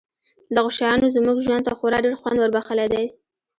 دغو شیانو زموږ ژوند ته خورا ډېر خوند وربښلی دی